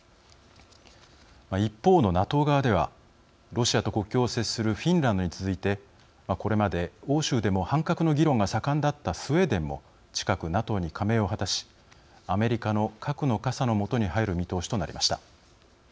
一方のＮＡＴＯ側ではロシアと国境を接するフィンランドに続いてこれまで、欧州でも反核の議論が盛んだったスウェーデンも近くＮＡＴＯの加盟を果たしアメリカの核の傘の下に入る見通しとなりました。